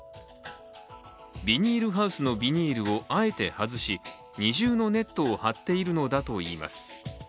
ビニールハウスのビニールをあえて外し二重のネットを張っているのだといいます。